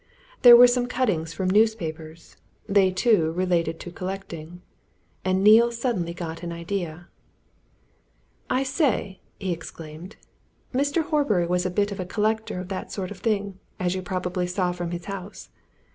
There were some cuttings from newspapers: they, too, related to collecting. And Neale suddenly got an idea. "I say!" he exclaimed. "Mr. Horbury was a bit of a collector of that sort of thing, as you probably saw from his house.